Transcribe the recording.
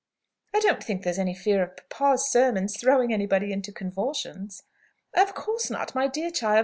"I don't think there's any fear of papa's sermons throwing anybody into convulsions." "Of course not, my dear child.